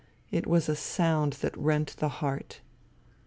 It was a sound that rent the heart.